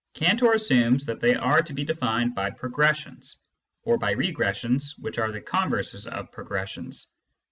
Cantor assumes that they are to be defined by progressions, or by regressions (which are the converses of progressions).